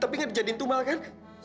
tapi ga dijadiin tumal kan